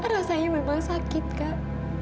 rasanya memang sakit kak